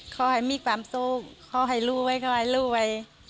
ขอให้มีความสุขขอให้ลูกไว้คอยลูกไว้